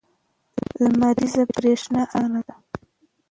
لمریزه برېښنا ارزانه ده.